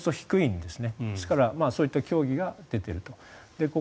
ですからそういった競技が出ていると。